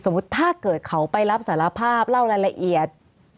สมมุติถ้าเกิดเขาไปรับสารภาพเล่าอะไรละเอียด